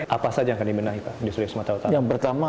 apa saja yang akan dibenahi pak di sulawesi sumatera utara